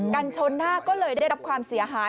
กันชนหน้าก็เลยได้รับความเสียหาย